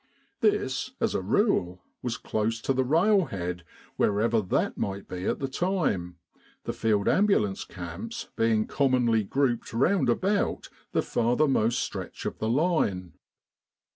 This, as a rule, was close to the railhead wherever that might be at the time, the Field Ambulance camps being commonly grouped round about the farthermost stretch of the line.